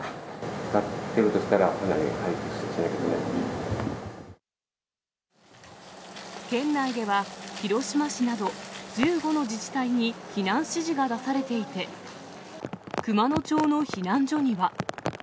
つかっているとしたら廃棄するし県内では、広島市など、１５の自治体に避難指示が出されていて、熊野町の避難所には。